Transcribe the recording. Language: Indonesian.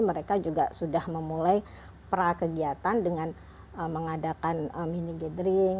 mereka juga sudah memulai prakegiatan dengan mengadakan mini gathering